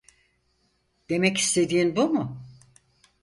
Demek istediğin bu mu?